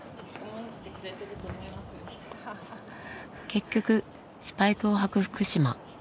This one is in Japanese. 結局スパイクを履く福島。